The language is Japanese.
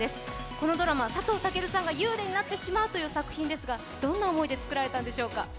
このドラマ、佐藤健さんが幽霊になってしまうという作品ですが、どんな思いで作られたのでしょうか？